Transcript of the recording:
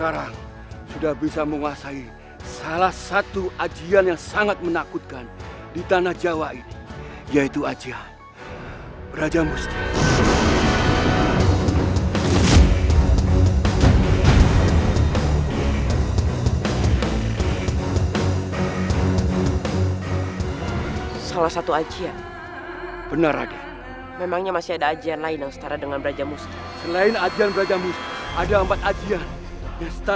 robert g ditujukan mereka untuk menatapinya